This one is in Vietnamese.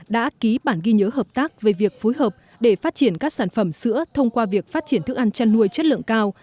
đã ký bản ghi nhớ hợp tác về việc phối hợp để phát triển các sản phẩm sữa thông qua việc phát triển thức ăn chăn nuôi chất lượng cao